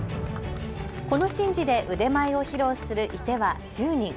この神事で腕前を披露する射手は１０人。